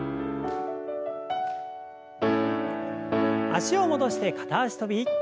脚を戻して片脚跳び。